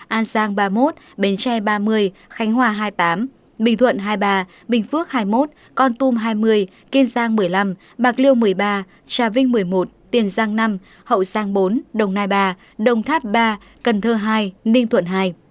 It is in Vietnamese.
an giang ba mươi một bến tre ba mươi khánh hòa hai mươi tám bình thuận hai mươi ba bình phước hai mươi một con tum hai mươi kiên giang một mươi năm bạc liêu một mươi ba trà vinh một mươi một tiền giang năm hậu giang bốn đồng nai ba đồng tháp ba cần thơ hai ninh thuận hai